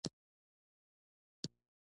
فرض کړئ یو پانګوال پنځه سوه میلیونه پانګه لري